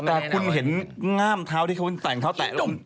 แต่คุณเห็นง่ามเท้าที่เขาแต่งเท้าแตะลง